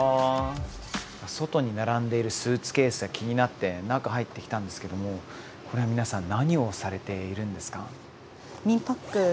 外に並んでいるスーツケースが気になって中入ってきたんですけどもこれは皆さん何をされているんですか？